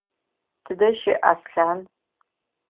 Тыдэ щыӏ Аслъан?